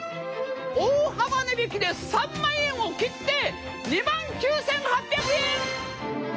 大幅値引きで３万円を切って２万９，８００円！